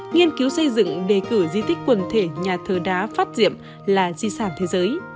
nghiên cứu xây dựng đề cử di tích quần thể nhà thờ đá phát diệm là di sản thế giới